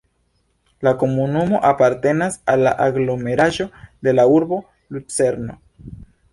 La komunumo apartenas al la aglomeraĵo de la urbo Lucerno.